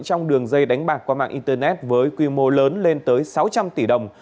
trong đường dây đánh bạc qua mạng internet với quy mô lớn lên tới sáu trăm linh tỷ đồng